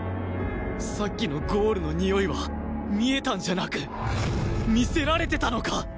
さっきのゴールのにおいは見えたんじゃなく見せられてたのか！？